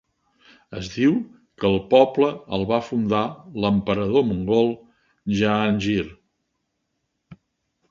Es diu que el poble el va fundar l'emperador mogol Jahangir.